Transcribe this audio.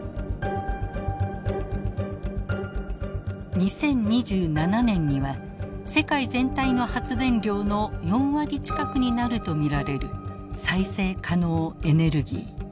２０２７年には世界全体の発電量の４割近くになると見られる再生可能エネルギー。